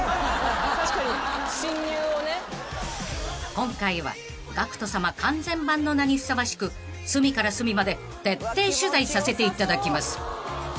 ［今回はＧＡＣＫＴさま完全版の名にふさわしく隅から隅まで徹底取材させていただきます］